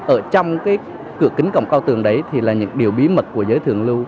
ở trong cái cửa kính cổng cao tường đấy thì là những điều bí mật của giới thường lưu